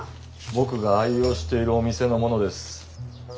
僕が愛用しているお店のものです。